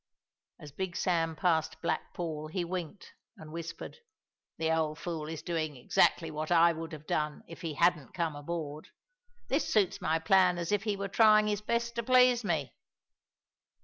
As Big Sam passed Black Paul he winked and whispered: "The old fool is doing exactly what I would have done if he hadn't come aboard. This suits my plan as if he were trying his best to please me."